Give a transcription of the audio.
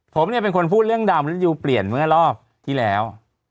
ผมเนี่ยเป็นคนพูดเรื่องดำริยูเปลี่ยนเมื่อรอบที่แล้ว